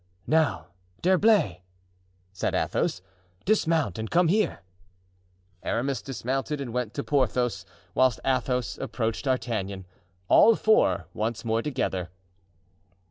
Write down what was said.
"Now, D'Herblay," said Athos, "dismount and come here." Aramis dismounted and went to Porthos, whilst Athos approached D'Artagnan. All four once more together.